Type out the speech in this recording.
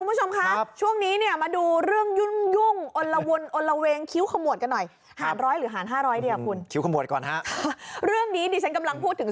คุณผู้ชมค้าช่วงนี้เนี่ยมาดูเรื่องยุ่นยุ่งอร่าวนอราเวง